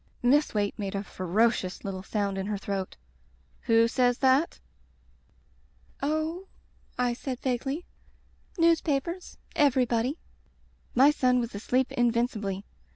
Miss Waite made a ferocious little sound in her throat: "Who says that?" "Oh," I said vaguely, "newspapers— » everybody." My son was asleep invincibly.